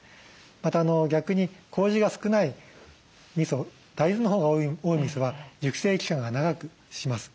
また逆にこうじが少ないみそ大豆のほうが多いみそは熟成期間が長くします。